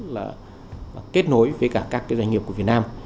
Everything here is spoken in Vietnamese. là kết nối với cả các doanh nghiệp của việt nam